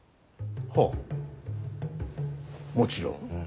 はぁもちろん。